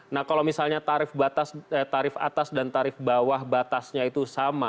nah kalau misalnya tarif atas dan tarif bawah batasnya itu sama